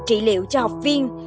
trị liệu cho học viên